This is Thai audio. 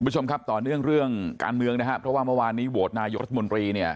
คุณผู้ชมครับต่อเนื่องเรื่องการเมืองนะครับเพราะว่าเมื่อวานนี้โหวตนายกรัฐมนตรีเนี่ย